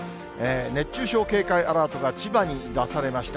熱中症警戒アラートが千葉に出されました。